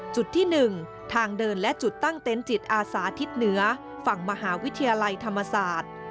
จุดที่๑ทางเดินและจุดตั้งเต็นต์จิตอาสาทิศเหนือฝั่งมหาวิทยาลัยธรรมศาสตร์